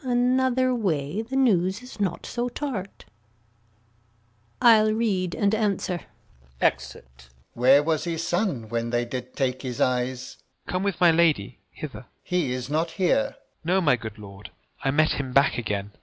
Another way The news is not so tart. I'll read, and answer. Exit. Alb. Where was his son when they did take his eyes? Gent. Come with my lady hither. Alb. He is not here. Gent. No, my good lord; I met him back again.